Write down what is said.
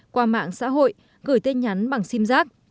qua mạng xã hội gửi tin nhắn bằng sim giác